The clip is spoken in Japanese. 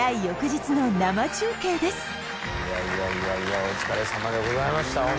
翌日の生中継です